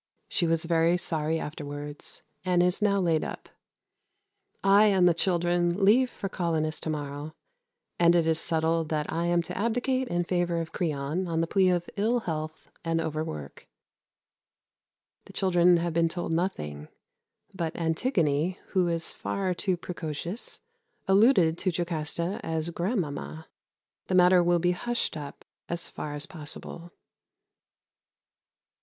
She was very sorry afterwards, and is now laid up. I and the children leave for Colonnus to morrow, and it is settled that I am to abdicate in favour of Creon on the plea of ill health and overwork. The children have been told nothing; but Antigone, who is far too precocious, alluded to Jocasta as grand mamma. The matter will be hushed up as far as possible.